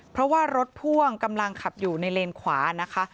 เพราะว่ารถพ่วงกำลังขับอยู่ในเลนขวานะคะ